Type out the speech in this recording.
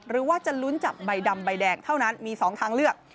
หรือว่าจะลุ้นจับใบดำใบแดงเท่านั้นมี๒ทางเลือก